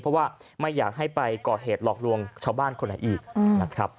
เพราะว่าไม่อยากให้ไปก่อเหตุหลอกลวงชาวบ้านคนไหนอีกนะครับ